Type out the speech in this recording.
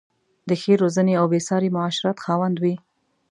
د ښې روزنې او بې ساري معاشرت خاوند وې.